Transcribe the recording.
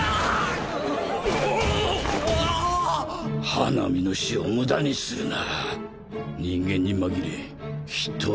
花御の死を無駄にするな。